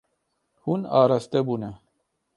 Hûn araste bûne.